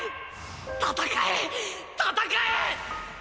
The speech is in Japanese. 戦え戦え！